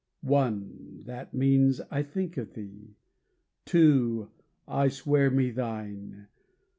One that means, "I think of thee!" Two "I swear me thine!"